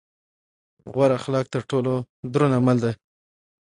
غوره اخلاق تر ټولو دروند عمل دی.